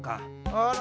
あら！